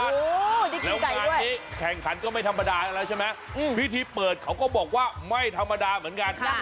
แล้วงานนี้แข่งขันก็ไม่ธรรมดาแล้วใช่ไหมพิธีเปิดเขาก็บอกว่าไม่ธรรมดาเหมือนกัน